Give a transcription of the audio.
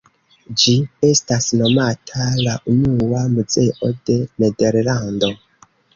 Ĝi estas nomata la unua muzeo de Nederlando.